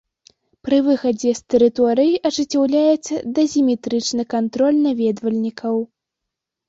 Пры выхадзе з тэрыторыі ажыццяўляецца дазіметрычны кантроль наведвальнікаў.